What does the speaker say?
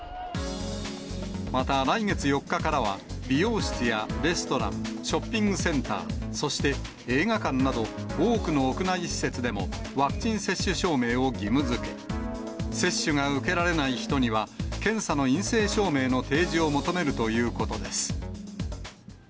また、来月４日からは、美容室やレストラン、ショッピングセンター、そして映画館など、多くの屋内施設でも、ワクチン接種証明を義務づけ、接種が受けられない人には、検査の陰性証明の提示を求めるということです。